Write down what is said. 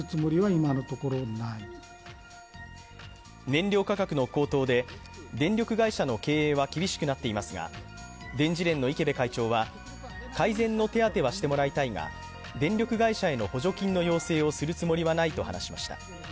燃料価格の高騰で電力会社の経営は厳しくなっていますが、電事連の池辺会長は改善の手当てはしてもらいたいが、電力会社への補助金の要請をするつもりはないと話しました。